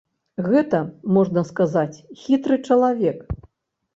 Гэта, можна сказаць, хітры чалавек.